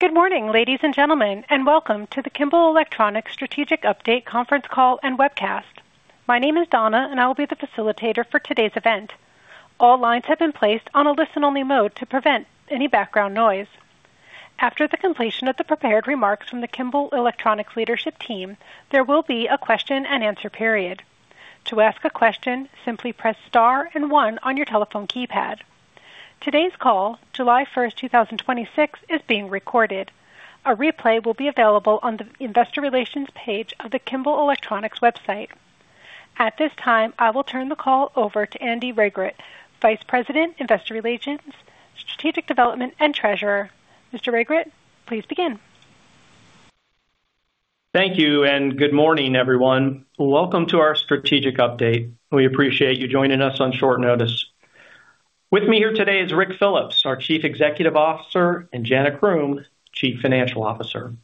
Good morning, ladies and gentlemen, and welcome to the Kimball Electronics strategic update conference call and webcast. My name is Donna, and I will be the facilitator for today's event. All lines have been placed on a listen-only mode to prevent any background noise. After the completion of the prepared remarks from the Kimball Electronics leadership team, there will be a question-and-answer period. To ask a question, simply press star and one on your telephone keypad. Today's call, July 1st, 2026, is being recorded. A replay will be available on the investor relations page of the Kimball Electronics website. At this time, I will turn the call over to Andy Regrut, Vice President, Investor Relations, Strategic Development, and Treasurer. Mr. Regrut, please begin. Thank you, and good morning, everyone. Welcome to our strategic update. We appreciate you joining us on short notice. With me here today is Ric Phillips, our Chief Executive Officer, and Jana Croom, Chief Financial Officer.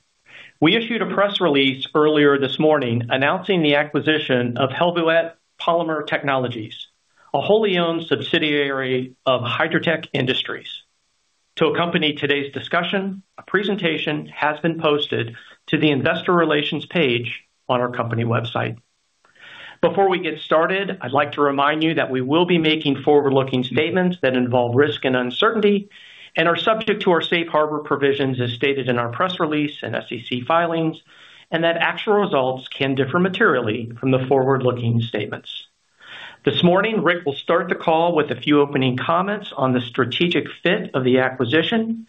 We issued a press release earlier this morning announcing the acquisition of Helvoet Polymer Technologies, a wholly owned subsidiary of Hydratec Industries. To accompany today's discussion, a presentation has been posted to the investor relations page on our company website. Before we get started, I'd like to remind you that we will be making forward-looking statements that involve risk and uncertainty and are subject to our safe harbor provisions as stated in our press release and SEC filings, and actual results can differ materially from the forward-looking statements. This morning, Ric will start the call with a few opening comments on the strategic fit of the acquisition.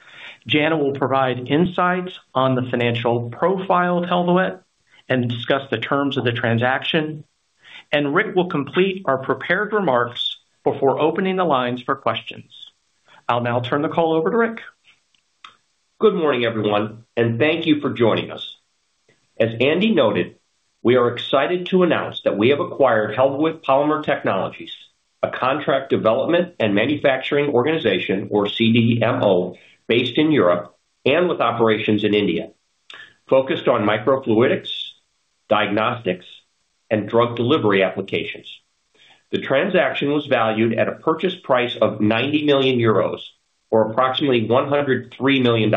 Jana will provide insights on the financial profile of Helvoet and discuss the terms of the transaction, and Ric will complete our prepared remarks before opening the lines for questions. I'll now turn the call over to Ric. Good morning, everyone, and thank you for joining us. As Andy noted, we are excited to announce that we have acquired Helvoet Polymer Technologies, a contract development and manufacturing organization, or CDMO, based in Europe and with operations in India, focused on microfluidics, diagnostics, and drug delivery applications. The transaction was valued at a purchase price of 90 million euros, or approximately $103 million,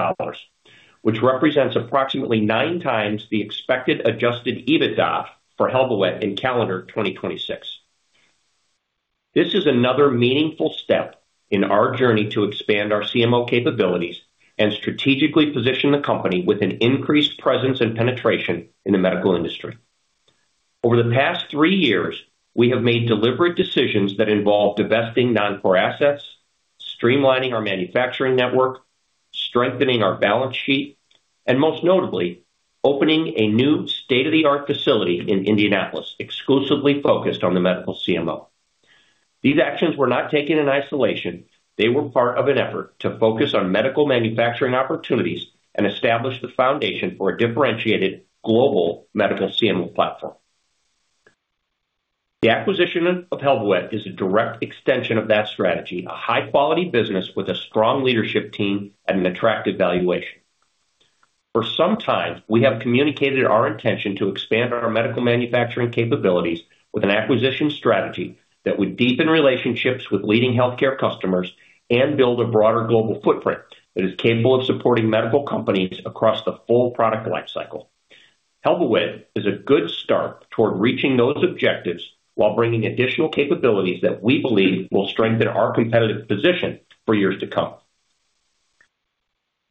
which represents approximately 9x the expected adjusted EBITDA for Helvoet in calendar 2026. This is another meaningful step in our journey to expand our CMO capabilities and strategically position the company with an increased presence and penetration in the medical industry. Over the past three years, we have made deliberate decisions that involve divesting non-core assets, streamlining our manufacturing network, strengthening our balance sheet, and most notably, opening a new state-of-the-art facility in Indianapolis exclusively focused on the medical CMO. These actions were not taken in isolation. They were part of an effort to focus on medical manufacturing opportunities and establish the foundation for a differentiated global medical CMO platform. The acquisition of Helvoet is a direct extension of that strategy, a high-quality business with a strong leadership team and an attractive valuation. For some time, we have communicated our intention to expand our medical manufacturing capabilities with an acquisition strategy that would deepen relationships with leading healthcare customers and build a broader global footprint that is capable of supporting medical companies across the full product life cycle. Helvoet is a good start toward reaching those objectives while bringing additional capabilities that we believe will strengthen our competitive position for years to come.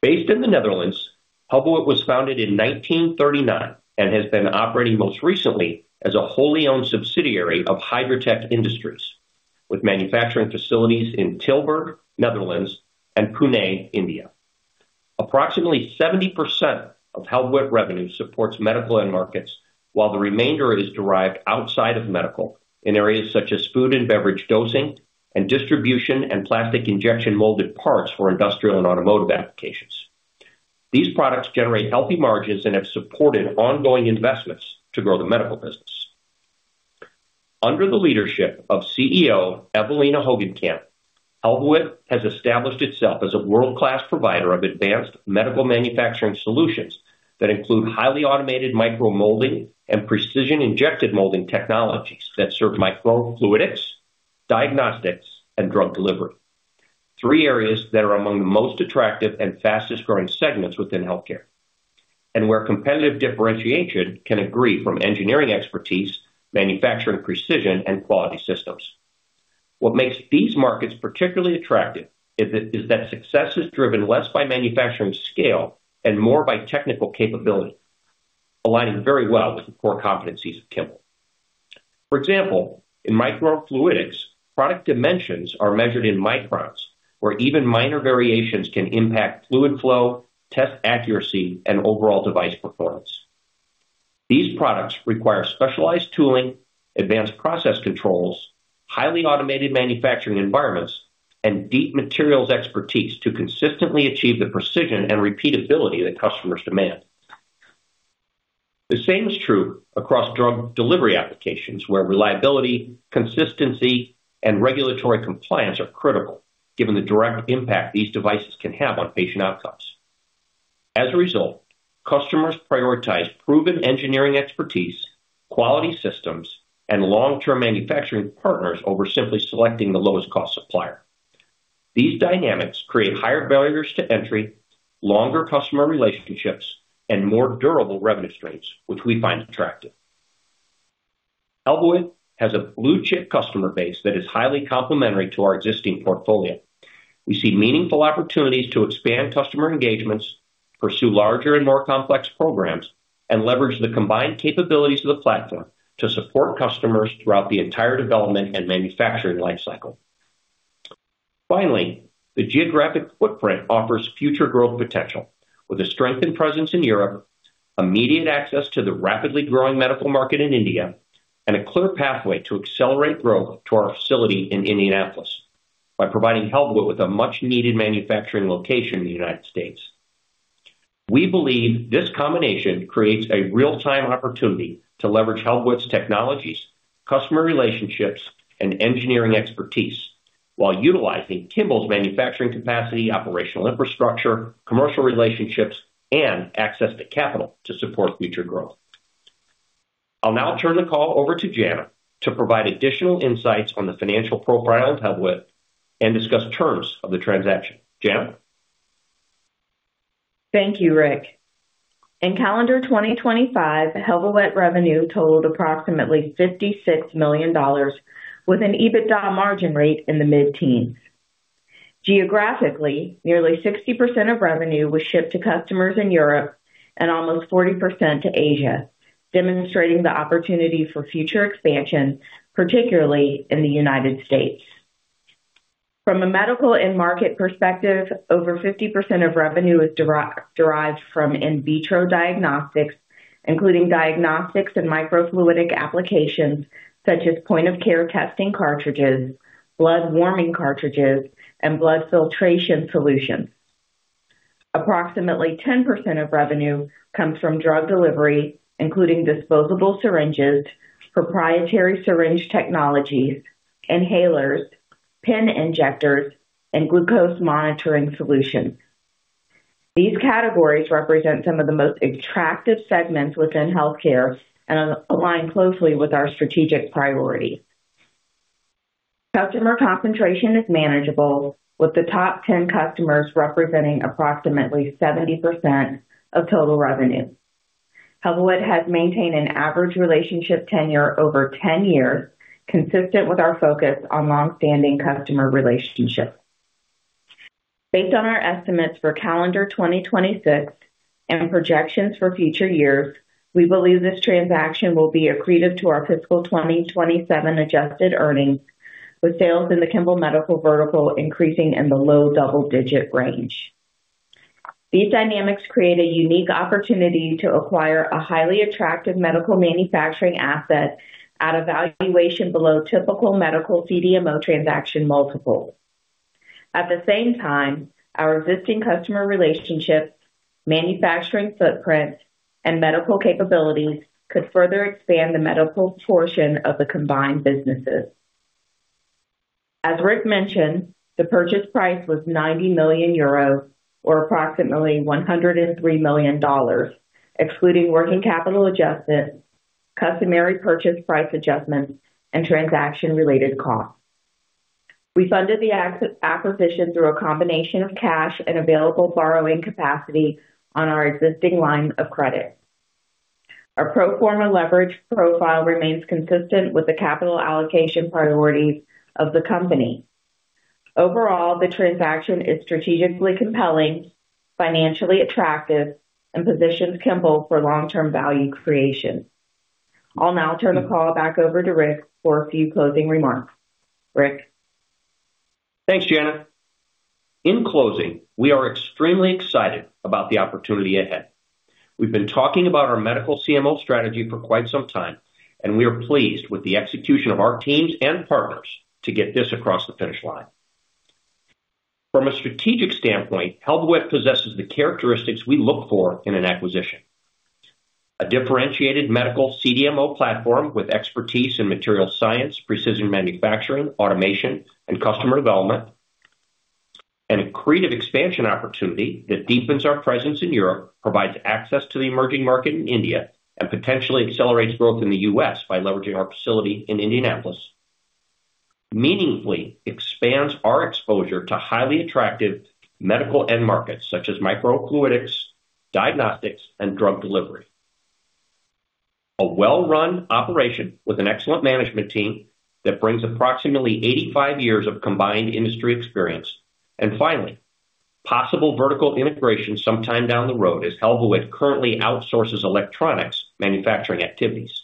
Based in the Netherlands, Helvoet was founded in 1939 and has been operating most recently as a wholly owned subsidiary of Hydratec Industries, with manufacturing facilities in Tilburg, Netherlands, and Pune, India. Approximately 70% of Helvoet revenue supports medical end markets, while the remainder is derived outside of medical in areas such as food and beverage dosing and distribution and plastic injection molded parts for industrial and automotive applications. These products generate healthy margins and have supported ongoing investments to grow the medical business. Under the leadership of CEO Eveline Hogenkamp, Helvoet has established itself as a world-class provider of advanced medical manufacturing solutions that include highly automated micro molding and precision injection molding technologies that serve microfluidics, diagnostics, and drug delivery, three areas that are among the most attractive and fastest-growing segments within healthcare, and where competitive differentiation can accrue from engineering expertise, manufacturing precision, and quality systems. What makes these markets particularly attractive is that success is driven less by manufacturing scale and more by technical capability, aligning very well with the core competencies of Kimball. For example, in microfluidics, product dimensions are measured in microns, where even minor variations can impact fluid flow, test accuracy, and overall device performance. These products require specialized tooling, advanced process controls, highly automated manufacturing environments, and deep materials expertise to consistently achieve the precision and repeatability that customers demand. The same is true across drug delivery applications, where reliability, consistency, and regulatory compliance are critical given the direct impact these devices can have on patient outcomes. As a result, customers prioritize proven engineering expertise, quality systems, and long-term manufacturing partners over simply selecting the lowest cost supplier. These dynamics create higher barriers to entry, longer customer relationships, and more durable revenue streams, which we find attractive. Helvoet has a blue-chip customer base that is highly complementary to our existing portfolio. We see meaningful opportunities to expand customer engagements, pursue larger and more complex programs, and leverage the combined capabilities of the platform to support customers throughout the entire development and manufacturing life cycle. Finally, the geographic footprint offers future growth potential with a strengthened presence in Europe, immediate access to the rapidly growing medical market in India, and a clear pathway to accelerate growth to our facility in Indianapolis by providing Helvoet with a much-needed manufacturing location in the United States. We believe this combination creates a real-time opportunity to leverage Helvoet's technologies, customer relationships, and engineering expertise while utilizing Kimball's manufacturing capacity, operational infrastructure, commercial relationships, and access to capital to support future growth. I'll now turn the call over to Jana to provide additional insights on the financial profile of Helvoet and discuss terms of the transaction. Jana? Thank you, Ric. In calendar 2025, Helvoet revenue totaled approximately $56 million, with an EBITDA margin rate in the mid-teens. Geographically, nearly 60% of revenue was shipped to customers in Europe and almost 40% to Asia, demonstrating the opportunity for future expansion, particularly in the United States. From a medical end market perspective, over 50% of revenue is derived from in vitro diagnostics, including diagnostics and microfluidic applications such as point-of-care testing cartridges, blood warming cartridges, and blood filtration solutions. Approximately 10% of revenue comes from drug delivery, including disposable syringes, proprietary syringe technologies, inhalers, pen injectors, and glucose monitoring solutions. These categories represent some of the most attractive segments within healthcare and align closely with our strategic priorities. Customer concentration is manageable, with the top 10 customers representing approximately 70% of total revenue. Helvoet has maintained an average relationship tenure over 10 years, consistent with our focus on long-standing customer relationships. Based on our estimates for calendar 2026 and projections for future years, we believe this transaction will be accretive to our fiscal 2027 adjusted earnings, with sales in the Kimball medical vertical increasing in the low double-digit range. These dynamics create a unique opportunity to acquire a highly attractive medical manufacturing asset at a valuation below typical medical CDMO transaction multiples. At the same time, our existing customer relationships, manufacturing footprint, and medical capabilities could further expand the medical portion of the combined businesses. As Ric mentioned, the purchase price was 90 million euros, or approximately $103 million, excluding working capital adjustments, customary purchase price adjustments, and transaction-related costs. We funded the acquisition through a combination of cash and available borrowing capacity on our existing line of credit. Our pro forma leverage profile remains consistent with the capital allocation priorities of the company. Overall, the transaction is strategically compelling, financially attractive, and positions Kimball for long-term value creation. I'll now turn the call back over to Ric for a few closing remarks. Ric? Thanks, Jana. In closing, we are extremely excited about the opportunity ahead. We have been talking about our medical CMO strategy for quite some time, and we are pleased with the execution of our teams and partners to get this across the finish line. From a strategic standpoint, Helvoet possesses the characteristics we look for in an acquisition: a differentiated medical CDMO platform with expertise in materials science, precision manufacturing, automation, and customer development; an accretive expansion opportunity that deepens our presence in Europe, provides access to the emerging market in India, and potentially accelerates growth in the U.S. by leveraging our facility in Indianapolis; meaningfully expands our exposure to highly attractive medical end markets such as microfluidics, diagnostics, and drug delivery; a well-run operation with an excellent management team that brings approximately 85 years of combined industry experience; and finally, possible vertical integration sometime down the road as Helvoet currently outsources electronics manufacturing activities.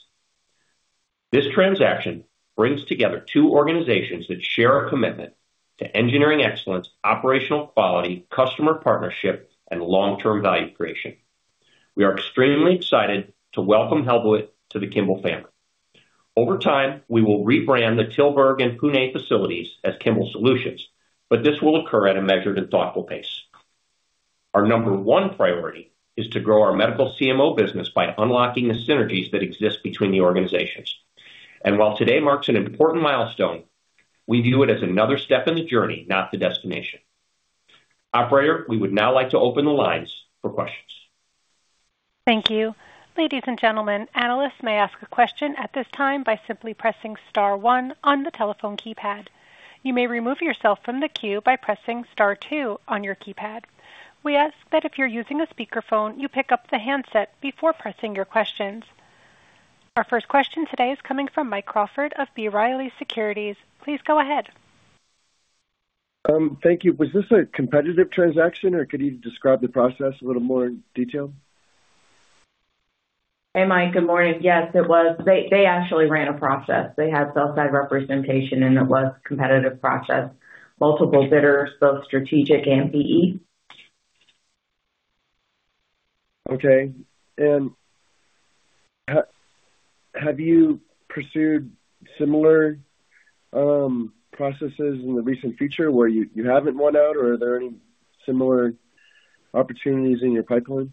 This transaction brings together two organizations that share a commitment to engineering excellence, operational quality, customer partnership, and long-term value creation. We are extremely excited to welcome Helvoet to the Kimball family. Over time, we will rebrand the Tilburg and Pune facilities as Kimball Solutions, but this will occur at a measured and thoughtful pace. Our number one priority is to grow our medical CMO business by unlocking the synergies that exist between the organizations. And while today marks an important milestone, we view it as another step in the journey, not the destination. Operator, we would now like to open the lines for questions. Thank you. Ladies and gentlemen, analysts may ask a question at this time by simply pressing star one on the telephone keypad. You may remove yourself from the queue by pressing star two on your keypad. We ask that if you are using a speakerphone, you pick up the handset before pressing your questions. Our first question today is coming from Mike Crawford of B. Riley Securities. Please go ahead. Thank you. Was this a competitive transaction, or could you describe the process a little more in detail? Hey, Mike. Good morning. Yes, it was. They actually ran a process. They had sell-side representation, and it was a competitive process, multiple bidders, both strategic and PE. Okay. Have you pursued similar processes in the recent future where you haven't won out, or are there any similar opportunities in your pipeline?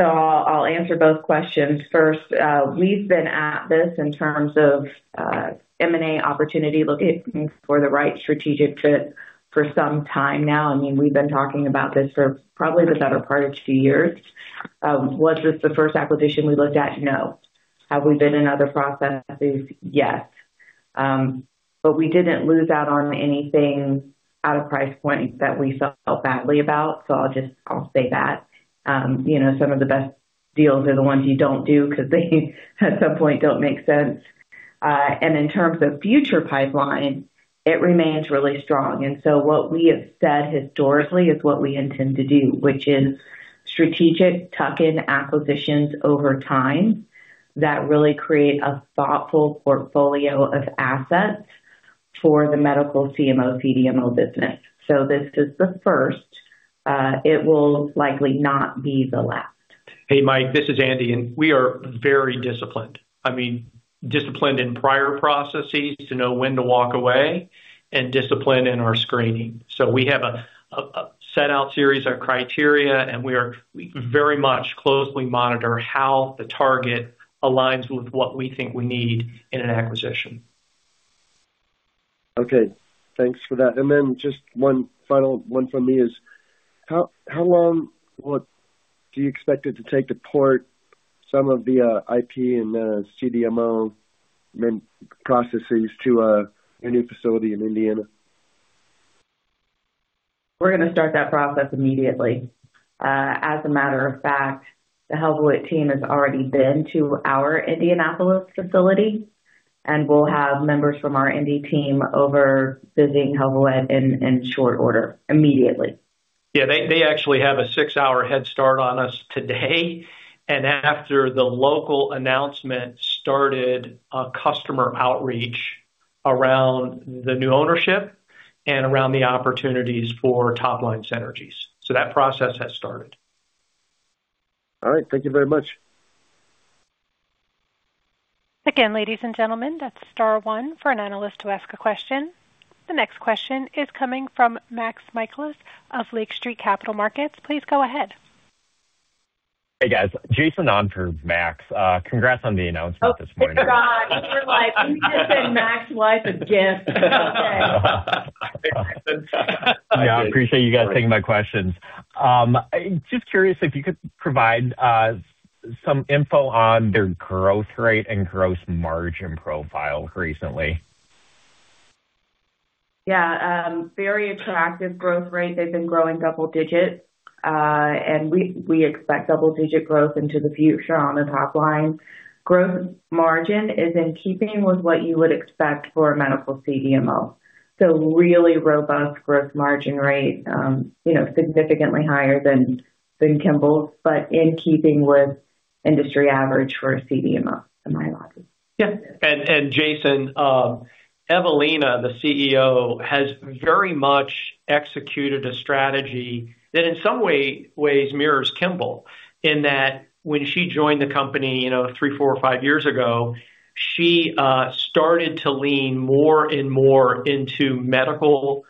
I'll answer both questions. First, we've been at this in terms of M&A opportunity, looking for the right strategic fit for some time now. We've been talking about this for probably the better part of two years. Was this the first acquisition we looked at? No. Have we been in other processes? Yes. But we didn't lose out on anything out of price points that we felt badly about. So, I'll just, I'll say that. Some of the best deals are the ones you don't do because they, at some point, don't make sense. In terms of future pipeline, it remains really strong. What we have said historically is what we intend to do, which is strategic tuck-in acquisitions over time that really create a thoughtful portfolio of assets for the medical CMO/CDMO business. This is the first. It will likely not be the last. Hey, Mike, this is Andy. We are very disciplined, I mean, disciplined in prior processes to know when to walk away and disciplined in our screening. We have a set out series of criteria, and we very much closely monitor how the target aligns with what we think we need in an acquisition. Okay. Thanks for that. Then, just one final one from me is, how long do you expect it to take to port some of the IP and CDMO processes to your new facility in Indiana? We're going to start that process immediately. As a matter of fact, the Helvoet team has already been to our Indianapolis facility, and we'll have members from our Indy team over visiting Helvoet in short order, immediately. Yeah. They actually have a six-hour head start on us today. And after the local announcement started a customer outreach around the new ownership and around the opportunities for top-line synergies. That process has started. All right. Thank you very much. Again, ladies and gentlemen, that's star one for an analyst to ask a question. The next question is coming from Max Michaelis of Lake Street Capital Markets. Please go ahead. Hey, guys. Jaeson on for Max. Congrats on the announcement this morning. Oh, good. You're like, "Who just sent Max? Why isn't it Jaeson?" I appreciate you guys taking my questions. Just curious if you could provide some info on their growth rate and gross margin profile recently. Yeah. Very attractive growth rate. They've been growing double-digits, and we expect double-digit growth into the future on the top line. Gross margin is in keeping with what you would expect for a medical CDMO. So, really robust gross margin rate, significantly higher than Kimball, but in keeping with industry average for a CDMO, in my opinion. And Jaeson, Eveline, the CEO, has very much executed a strategy that in some ways mirrors Kimball, in that when she joined the company three, four, or five years ago, she started to lean more and more into medical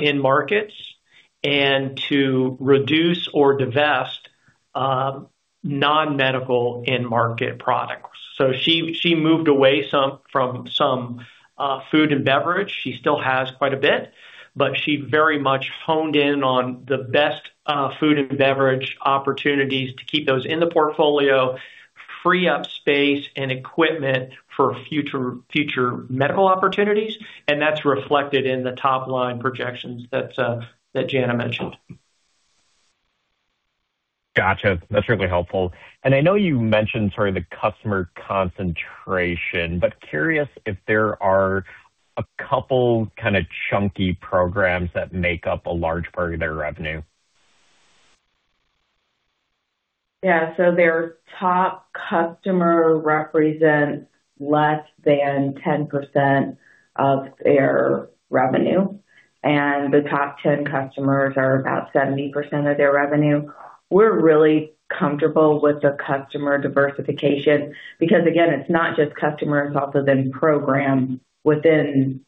end markets and to reduce or divest non-medical end market products. She moved away from some food and beverage. She still has quite a bit, but she very much homed in on the best food and beverage opportunities to keep those in the portfolio, free up space and equipment for future medical opportunities, and that's reflected in the top-line projections that Jana mentioned. Got you. That's really helpful. I know you mentioned sort of the customer concentration, but curious if there are a couple kind of chunky programs that make up a large part of their revenue. Yeah. Their top customer represents less than 10% of their revenue, and the top 10 customers are about 70% of their revenue. We are really comfortable with the customer diversification because, again, it is not just customers, it is also then programs within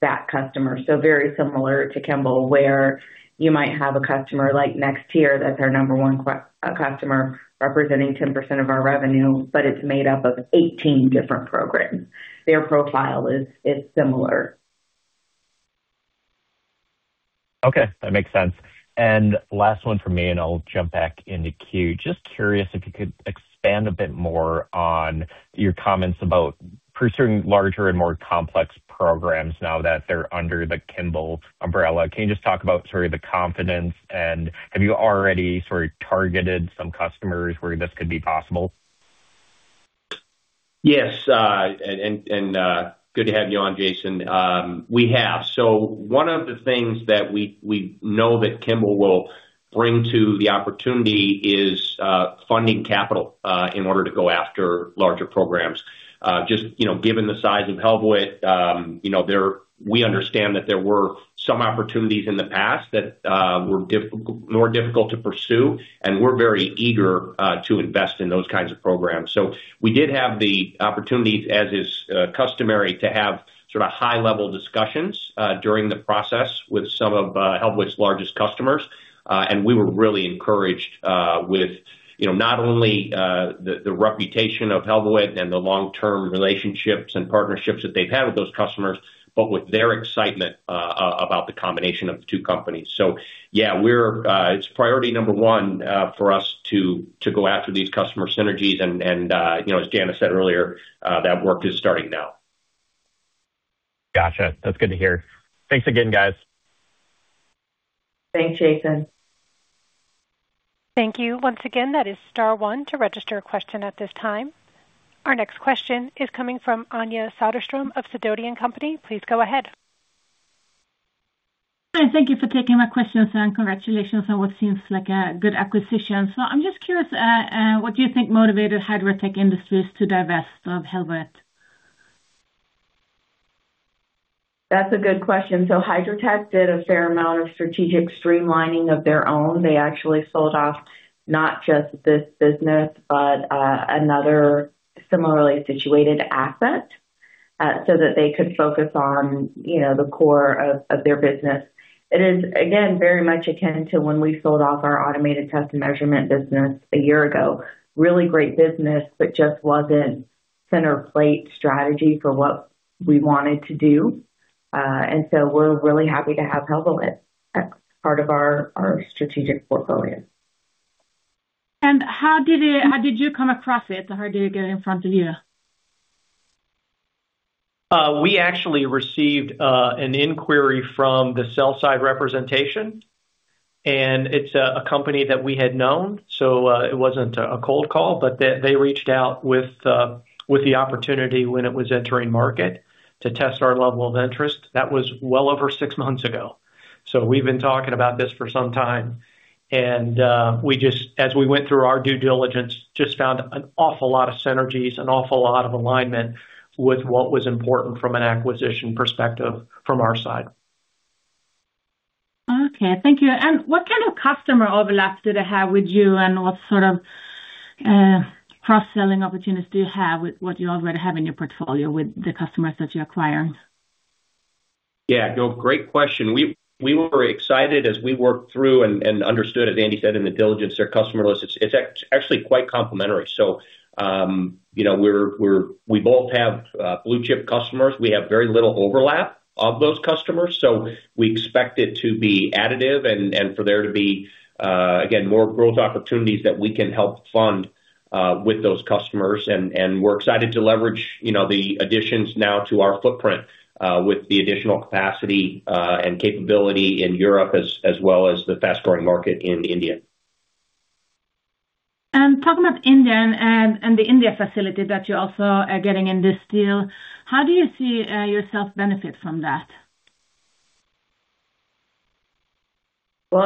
that customer. So, very similar to Kimball, where you might have a customer like Nexteer, that is our number one customer, representing 10% of our revenue, but it is made up of 18 different programs. Their profile is similar. Okay, that makes sense. Last one from me, and I will jump back into queue. Just curious if you could expand a bit more on your comments about pursuing larger and more complex programs now that they are under the Kimball umbrella. Can you just talk about sort of the confidence, and have you already sort of targeted some customers where this could be possible? Yes. Good to have you on, Jaeson. We have. One of the things that we know that Kimball will bring to the opportunity is funding capital in order to go after larger programs. Just given the size of Helvoet, we understand that there were some opportunities in the past that were more difficult to pursue, and we are very eager to invest in those kinds of programs. We did have the opportunity, as is customary, to have sort of high-level discussions during the process with some of Helvoet's largest customers, and we were really encouraged with not only the reputation of Helvoet and the long-term relationships and partnerships that they have had with those customers, but with their excitement about the combination of the two companies. So, yeah, it is priority number one for us to go after these customer synergies and, as Jana said earlier, that work is starting now. Got you. That's good to hear. Thanks again, guys. Thanks, Jaeson. Thank you. Once again, that is star one to register a question at this time. Our next question is coming from Anja Soderstrom of Sidoti & Company. Please go ahead. Hi, thank you for taking my questions, and congratulations on what seems like a good acquisition. I'm just curious, what do you think motivated Hydratec Industries to divest of Helvoet? That's a good question. Hydratec did a fair amount of strategic streamlining of their own. They actually sold off not just this business, but another similarly situated asset, so that they could focus on the core of their business. It is, again, very much akin to when we sold off our automated test and measurement business a year ago. Really great business but just wasn't center-of-plate strategy for what we wanted to do. We're really happy to have Helvoet as part of our strategic portfolio. How did you come across it? How did it get in front of you? We actually received an inquiry from the sell side representation, and it's a company that we had known, so it wasn't a cold call. They reached out with the opportunity when it was entering market to test our level of interest. That was well over six months ago. We've been talking about this for some time. As we went through our due diligence, just found an awful lot of synergies, an awful lot of alignment with what was important from an acquisition perspective from our side. Okay, thank you. What kind of customer overlaps do they have with you, and what sort of cross-selling opportunities do you have with what you already have in your portfolio with the customers that you acquired? Great question. We were excited as we worked through and understood, as Andy said, in the diligence, their customer list. It's actually quite complementary. We both have blue-chip customers. We have very little overlap of those customers. We expect it to be additive and for there to be, again, more growth opportunities that we can help fund with those customers. We're excited to leverage the additions now to our footprint with the additional capacity and capability in Europe, as well as the fast-growing market in India. Talking about India and the India facility that you also are getting in this deal, how do you see yourself benefit from that?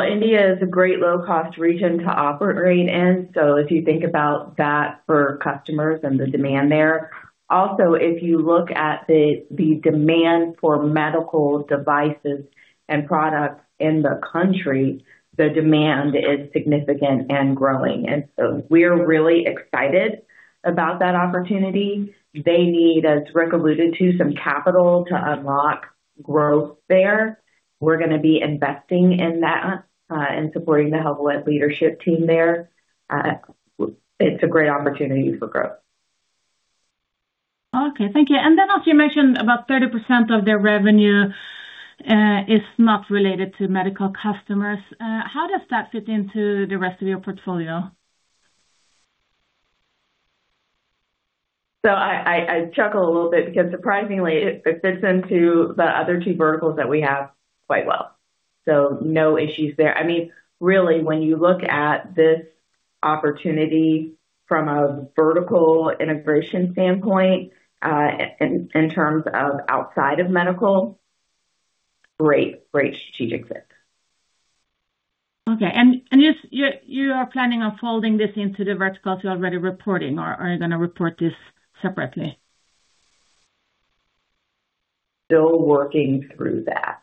India is a great low-cost region to operate in, so if you think about that for customers and the demand there. Also, if you look at the demand for medical devices and products in the country, the demand is significant and growing. We're really excited about that opportunity. They need, as Ric alluded to, some capital to unlock growth there. We're going to be investing in that and supporting the Helvoet leadership team there. It's a great opportunity for growth. Thank you. As you mentioned, about 30% of their revenue is not related to medical customers. How does that fit into the rest of your portfolio? I chuckle a little bit because surprisingly, it fits into the other two verticals that we have quite well. No issues there. Really, when you look at this opportunity from a vertical integration standpoint, in terms of outside of medical, great strategic fit. Okay. You are planning on folding this into the verticals you're already reporting, or are you going to report this separately? Still working through that.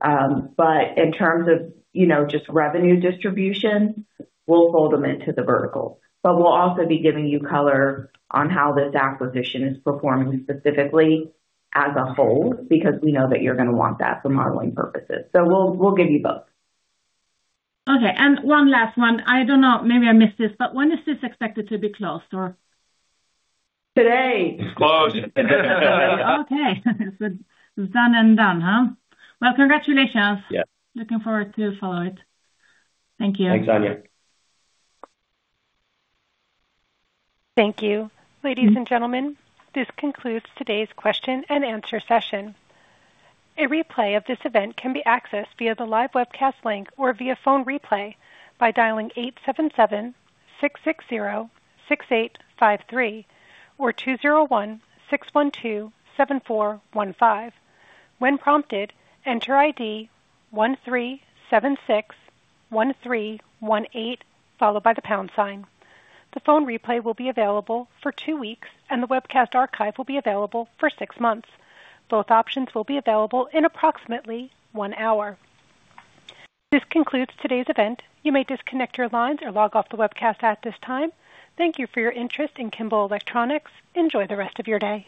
But in terms of just revenue distribution, we'll fold them into the verticals. We'll also be giving you color on how this acquisition is performing specifically as a whole, because we know that you're going to want that for modeling purposes. We'll give you both. Okay. One last one. I don't know, maybe I missed this, when is this expected to be closed? Today. It's closed. Okay. It's done and done, huh? Congratulations. Yeah. Looking forward to follow it. Thank you. Thanks, Anja. Thank you. Ladies and gentlemen, this concludes today's question-and-answer session. A replay of this event can be accessed via the live webcast link or via phone replay by dialing 877-660-6853 or 201-612-7415. When prompted, enter ID 13761318, followed by the pound sign. The phone replay will be available for two weeks, and the webcast archive will be available for six months. Both options will be available in approximately one hour. This concludes today's event. You may disconnect your lines or log off the webcast at this time. Thank you for your interest in Kimball Electronics. Enjoy the rest of your day.